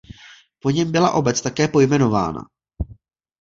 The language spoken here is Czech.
Po něm byla obec také pojmenována.